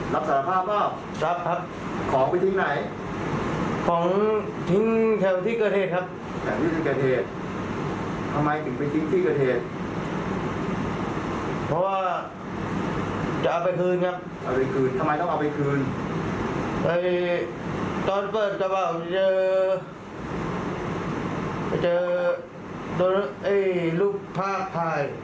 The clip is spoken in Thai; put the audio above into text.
แล้วก็ตัวหนังสือเขียนว่าพ่อจ๋าของลูกหนูรักพ่อจ๋าของลูกคนเดียว